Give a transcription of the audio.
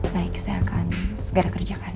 baik saya akan segera kerjakan